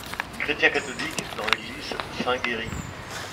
Chrétien catholique dans l'église Saint Géry.